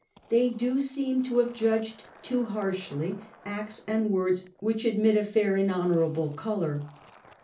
They do seem to in some have judged too harshly acts and words which admit a fair and honourable colour.